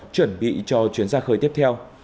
chuẩn bị cho chuyến ra khơi tiếp theo